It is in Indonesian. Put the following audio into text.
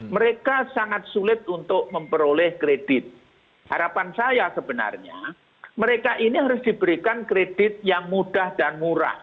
mereka sangat sulit untuk memperoleh kredit harapan saya sebenarnya mereka ini harus diberikan kredit yang mudah dan murah